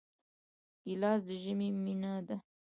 ګیلاس د ژمي مینه ده.